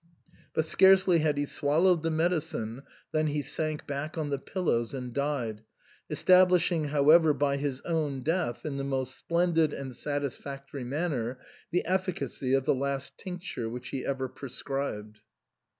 But scarcely had he swallowed the medicine than he sank back on the pillows and died, establishing, however, by his own death in the most splendid and satisfactory manner the efficacy of the last tincture which he ever prescribed.